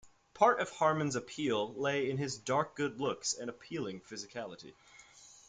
Part of Harman's appeal lay in his dark good looks and appealing physicality.